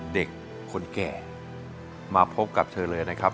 เด็กคนแก่มาพบกับเธอเลยนะครับ